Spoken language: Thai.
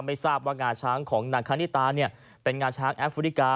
ไม่ทราบว่างาช้างของนางคณิตาเป็นงาช้างแอฟริกา